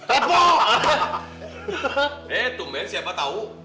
eh tumben siapa tau